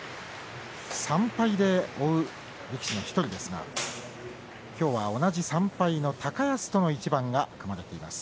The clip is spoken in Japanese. ３敗で追う力士の１人ですが今日は同じ３敗の高安との一番が組まれています。